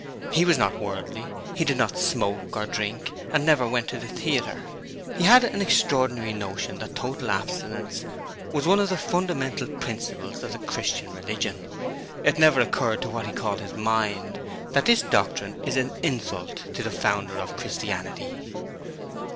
He was not 'worldly', he did not smoke or drink and never went to the theatre. He had an extraordinary notion that total abstinence was one of the fundamental principles of the Christian religion. It never occurred to what he called his mind, that this doctrine is an insult to the Founder of Christianity.